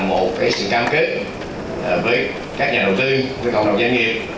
một sự cam kết với các nhà đầu tư với cộng đồng doanh nghiệp